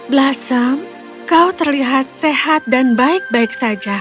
blasem kau terlihat sehat dan baik baik saja